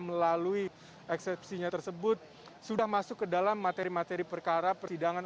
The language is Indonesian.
melalui eksepsinya tersebut sudah masuk ke dalam materi materi perkara persidangan